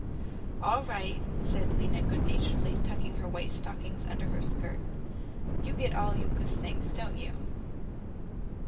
"All right," said Lena good naturedly, tucking her white stockings under her skirt. "You get all Yulka's things, don't you?